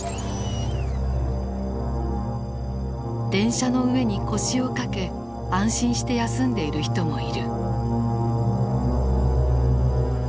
電車の上に腰を掛け安心して休んでいる人もいる。